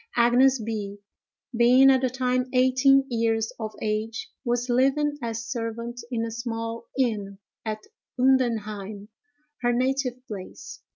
Agnes B——, being at the time eighteen years of age, was living as servant in a small inn at Undenheim, her native place.